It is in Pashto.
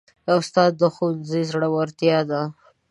استاد د ښوونځي زړورتیا ده.